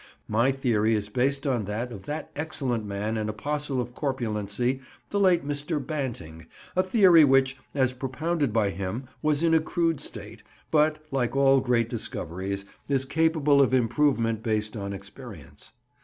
My theory is based on that of that excellent man and apostle of corpulency, the late Mr. Banting—a theory which, as propounded by him, was in a crude state, but, like all great discoveries, is capable of improvement based on experience.